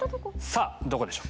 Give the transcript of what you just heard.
さあどこでしょう？